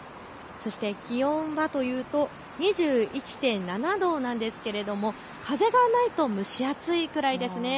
そして気温はというと２１．７度なんですが風がないと蒸し暑いくらいです。